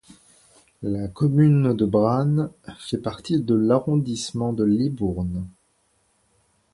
La commune de Branne fait partie de l'arrondissement de Libourne.